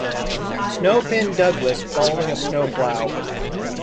Snow pinned Douglas following a "Snow Plow".